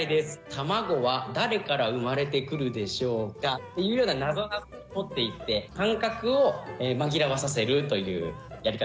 卵は誰から生まれてくるでしょうか」っていうようなナゾナゾに持っていって感覚を紛らわさせるというやり方。